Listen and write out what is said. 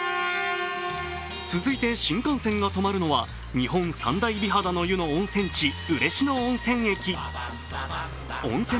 続いて新幹線が止まるのは日本三大美肌の湯の温泉地、嬉野温泉。